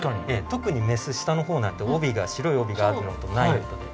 特にメス下の方なんて白い帯があるのとないのとで。